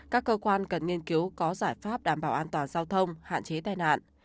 các cơ quan cần nghiên cứu có giải pháp đảm bảo an toàn giao thông hạn chế tai nạn